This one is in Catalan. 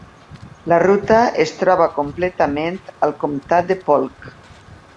La ruta es troba completament al comptat de Polk.